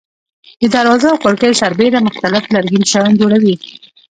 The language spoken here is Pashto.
د دروازو او کړکیو سربېره مختلف لرګین شیان جوړوي.